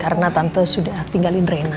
karena tante sudah tinggalin rena